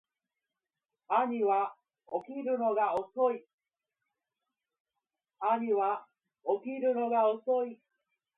兄は起きるのが遅い